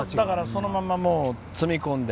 そのまま積み込んで。